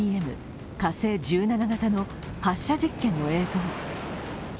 火星１７型の発射実験の映像。